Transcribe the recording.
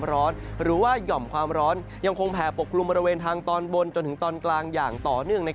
หรือว่าหย่อมความร้อนยังคงแผ่ปกกลุ่มบริเวณทางตอนบนจนถึงตอนกลางอย่างต่อเนื่อง